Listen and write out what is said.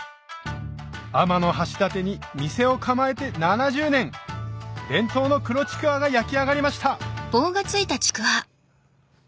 天橋立に店を構えて７０年伝統の黒ちくわが焼き上がりました